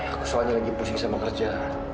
aku soalnya lagi pusing sama kerja